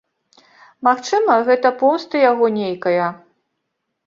Магчыма, гэта помста яго нейкая.